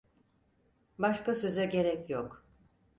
Başka söze gerek yok.